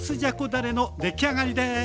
だれの出来上がりです。